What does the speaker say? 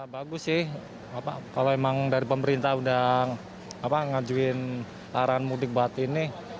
bagus sih kalau emang dari pemerintah udah ngajuin larangan mudik buat ini